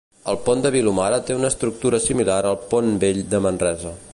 El Pont de Vilomara té una estructura similar al Pont Vell de Manresa.